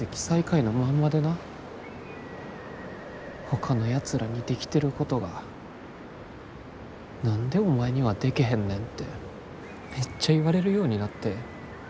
ほかのやつらにできてることが何でお前にはでけへんねんてめっちゃ言われるようになって。